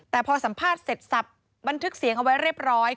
แต่พอสัมภาษณ์เสร็จสับบันทึกเสียงเอาไว้เรียบร้อย